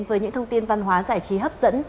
với những thông tin văn hóa giải trí hấp dẫn